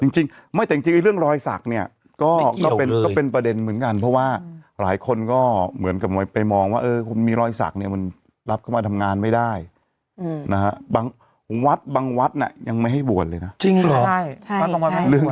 จริงไม่แต่จริงเรื่องรอยสักเนี่ยก็เป็นก็เป็นประเด็นเหมือนกันเพราะว่าหลายคนก็เหมือนกับไปมองว่าเออมีรอยสักเนี่ยมันรับเข้ามาทำงานไม่ได้นะฮะบางวัดบางวัดน่ะยังไม่ให้บวชเลยนะจริงเหรอ